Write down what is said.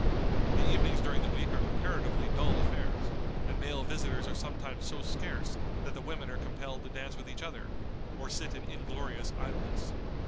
The evenings during the week are comparatively dull affairs, and male visitors are sometimes so scarce that the women are compelled to dance with each other, or sit in inglorious idleness.